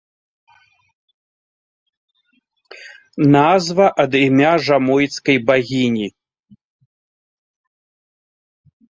Назва ад імя жамойцкай багіні.